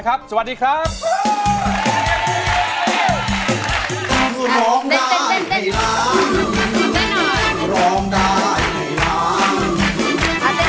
เพื่อนรักไดเกิร์ต